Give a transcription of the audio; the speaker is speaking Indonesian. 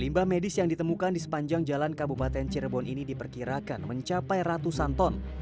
limbah medis yang ditemukan di sepanjang jalan kabupaten cirebon ini diperkirakan mencapai ratusan ton